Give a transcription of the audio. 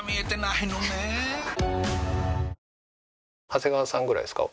長谷川さんぐらいですか？